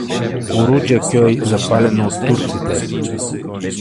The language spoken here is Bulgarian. Куруджакьой, запалено от турците.